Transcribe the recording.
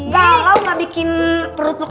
gak galau lo